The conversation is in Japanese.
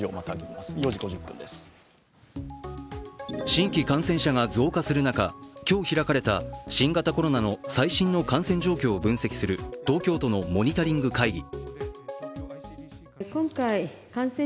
新規感染者が増加する中、今日開かれた新型コロナの最新の感染状況を分析する東京都のモニタリング会議。